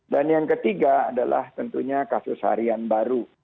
dan yang ketiga adalah tentunya kasus harian baru